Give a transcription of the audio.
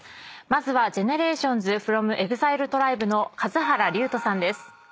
まずはＧＥＮＥＲＡＴＩＯＮＳｆｒｏｍＥＸＩＬＥＴＲＩＢＥの数原龍友さんです。